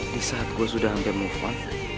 di saat gue sudah sampai move on